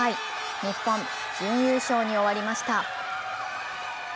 日本、準優勝に終わりました。